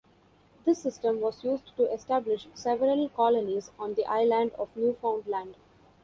This system was used to establish several colonies on the island of Newfoundland.